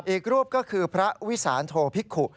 อีกรูปก็คือพระวิสานโทพิกุ